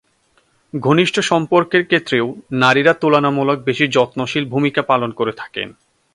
ঘনিষ্ঠ সম্পর্কের ক্ষেত্রেও নারীরা তুলনামূলক বেশি যত্নশীল ভূমিকা পালন করে থাকেন।